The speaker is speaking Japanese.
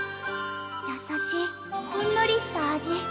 やさしいほんのりした味。